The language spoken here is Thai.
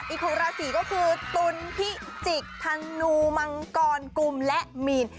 อีกหนึ่งราศีก็คือตุลพิจิกธนูมังกรกุมและมีน